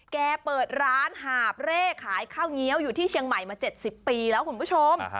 แกเปิดร้านหาบเร่ขายข้าวเงี้ยวอยู่ที่เชียงใหม่มา๗๐ปีแล้วคุณผู้ชม